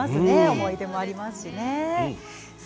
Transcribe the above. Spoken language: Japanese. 思い出がありますし。